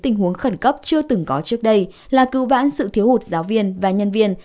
tình huống khẩn cấp chưa từng có trước đây là cứu vãn sự thiếu hụt giáo viên và nhân viên